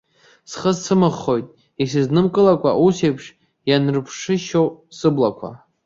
Схы сцәымыӷхоит, исызнымкылакәа, усеиԥш ианрыԥшышьоу сыблақәа.